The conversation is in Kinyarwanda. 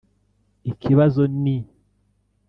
“Ikibazo ni